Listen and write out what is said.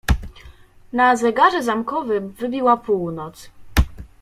"Na zegarze zamkowym wybiła północ."